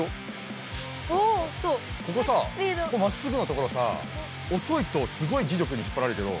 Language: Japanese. ここさまっすぐのところさおそいとすごい磁力に引っぱられるけど。